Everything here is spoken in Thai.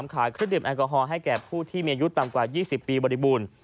ขายเครื่องดื่มแอลกอฮอล์ให้แก่ผู้ที่มีอายุต่ำกว่า๒๐ปีบริบูรณ์